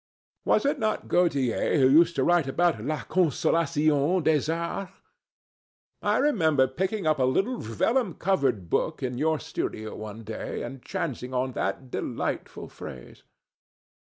Was it not Gautier who used to write about la consolation des arts? I remember picking up a little vellum covered book in your studio one day and chancing on that delightful phrase.